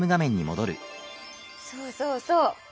そうそうそう。